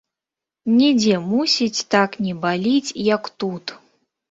Нідзе, мусіць, так не баліць, як тут.